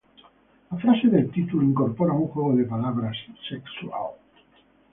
La frase del título incorpora un juego de palabras sexual.